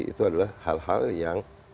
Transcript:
itu adalah hal yang sangat penting